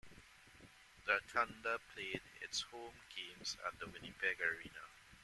The Thunder played its home games at the Winnipeg Arena.